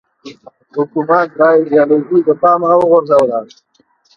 حکومت دا ایدیالوژي له پامه وغورځوله